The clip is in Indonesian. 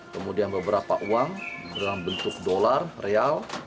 kemudian beberapa uang dalam bentuk dolar real